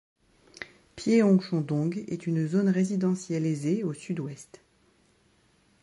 Pyeongchon-dong est une zone résidentielle aisée au sud-ouest.